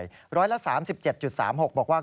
ร้อยละ๓๗๓๖บอกว่า